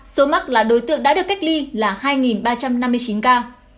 số mắc là đối tượng đã được cách ly là hai ba trăm năm mươi chín ca